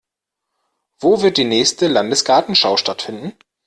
Wo wird die nächste Landesgartenschau stattfinden?